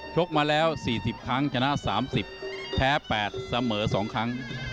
กมาแล้ว๔๐ครั้งชนะ๓๐แพ้๘เสมอ๒ครั้ง